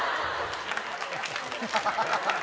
フハハハ。